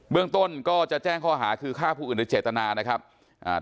เรื่องต้นก็จะแจ้งข้อหาคือฆ่าผู้อื่นโดยเจตนานะครับอ่า